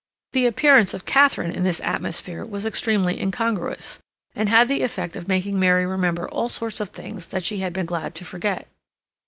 The appearance of Katharine in this atmosphere was extremely incongruous, and had the effect of making Mary remember all sorts of things that she had been glad to forget.